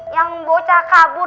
yang bocah kabur